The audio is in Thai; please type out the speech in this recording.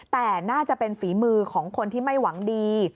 แต่น่าจะเป็นฝีมือของคนที่ไม่หวังดี